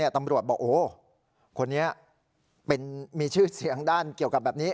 ตำรวจบอกโอ้คนนี้มีชื่อเสียงด้านเกี่ยวกับแบบนี้